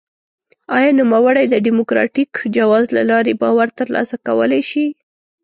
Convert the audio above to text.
آیا نوموړی د ډیموکراټیک جواز له لارې باور ترلاسه کولای شي؟